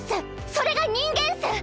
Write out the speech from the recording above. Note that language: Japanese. それが人間っス。